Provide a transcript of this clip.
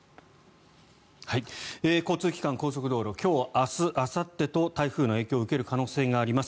交通機関、高速道路今日明日あさってと台風の影響を受ける可能性があります。